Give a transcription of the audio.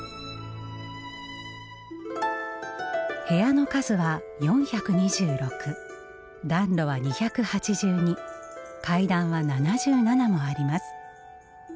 部屋の数は４２６暖炉は２８２階段は７７もあります。